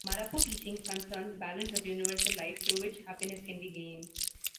Marapu teachings concern the balance of universal life through which happiness can be gained.